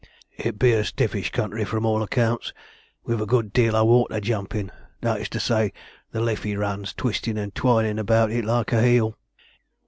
'It be a stiffish country from all accounts, with a good deal o' water jumpin'; that is to say, the Liffey runs twistin' and twinin' about it like a H'Eel.'